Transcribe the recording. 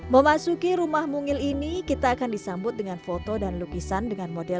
memasuki rumah mungil ini kita akan disambut dengan foto dan lukisan dengan model